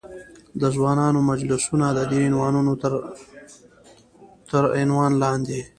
د ځوانانو مجلسونه، ددې عنوانونو تر عنوان لاندې.